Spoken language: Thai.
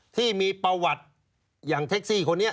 ที่มีประวัติอย่างเท็กซี่คนนี้